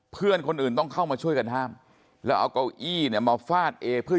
เพื่อนคนอื่นต้องเข้ามาช่วยกันห้ามแล้วเอาเก้าอี้เนี่ยมาฟาดเอเพื่อ